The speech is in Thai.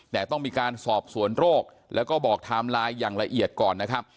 แต่ต้องมีการสอบสวนโรคแล้วก็บอกไทม์ไลน์อย่างละเอียดก่อนนะครับ